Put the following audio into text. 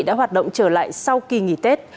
đã hoạt động trở lại sau kỳ nghỉ tết